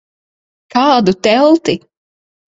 Kādu telti?